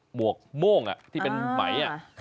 หมวกม่วงอ่ะที่เป็นไหมอ่ะ